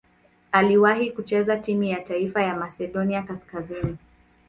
Aliwahi kucheza timu ya taifa ya Masedonia Kaskazini.